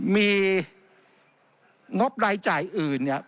มีงบรายจ่ายอื่นเนี่ย